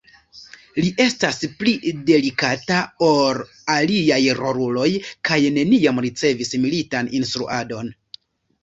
Li estas pli delikata ol aliaj roluloj, kaj neniam ricevis militan instruadon.